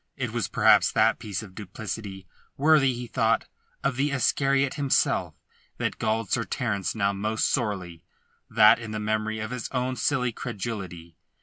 It was perhaps that piece of duplicity, worthy, he thought, of the Iscariot himself, that galled Sir Terence now most sorely; that and the memory of his own silly credulity.